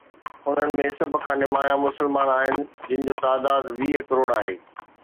انهن ۾ سڀ کان نمايان مسلمان آهن، جن جو تعداد ويهه ڪروڙ آهي.